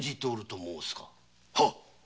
はっ。